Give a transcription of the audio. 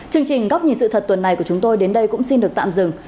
chương trình góc nhìn sự thật tuần này của chúng tôi đến đây cũng xin được tạm dừng